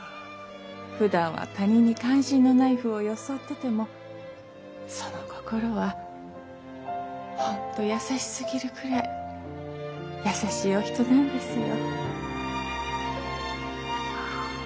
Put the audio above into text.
ふだんは他人に関心のないふうを装っててもその心は本当優しすぎるくらい優しいお人なんですよ。